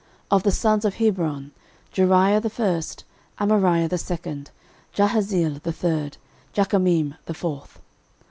13:024:023 And the sons of Hebron; Jeriah the first, Amariah the second, Jahaziel the third, Jekameam the fourth.